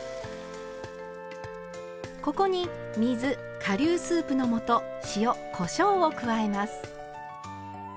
ここに水顆粒スープの素塩こしょうを加えます。